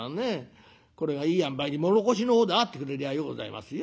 これがいいあんばいに唐土の方であってくれりゃようございますよ。